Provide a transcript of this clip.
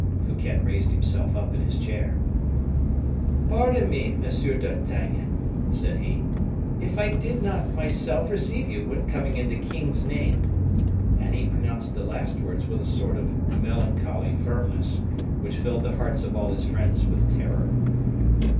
Fouquet raised himself up in his chair. "Pardon me, Monsieur d'Artagnan," said he, "if I did not myself receive you when coming in the king's name." And he pronounced the last words with a sort of melancholy firmness, which filled the hearts of all his friends with terror.